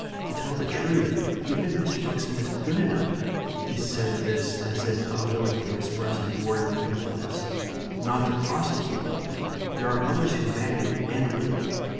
To tell the truth, even if Mr. Buxton is good enough" (he said this as if unwilling to express any word of thankfulness) "not to prosecute me, there are others who may and will.